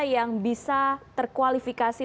yang bisa terkualifikasi